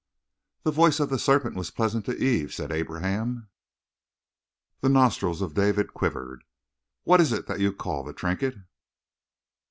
"The voice of the serpent was pleasant to Eve," said Abraham. The nostrils of David quivered. "What is it that you call the trinket?"